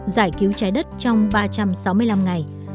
giải cứu trái đất trong ba trăm sáu mươi năm ngày